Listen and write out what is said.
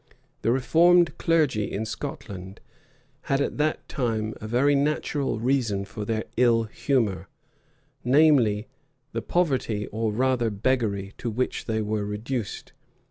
The reformed clergy in Scotland had at that time a very natural reason for their ill humor; namely, the poverty, or rather beggary, to which they were reduced.